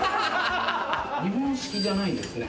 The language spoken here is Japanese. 日本式じゃないんですね。